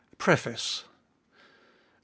PREFACE. Rev.